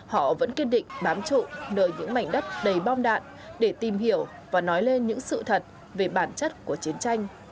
họ vẫn kiên định bám trụ nơi những mảnh đất đầy bom đạn để tìm hiểu và nói lên những sự thật về bản chất của chiến tranh